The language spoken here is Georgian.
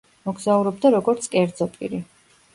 მოგზაურობდა როგორც კერძო პირი.